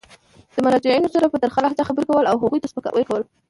د مراجعینو سره په ترخه لهجه خبري کول او هغوی ته سپکاوی کول.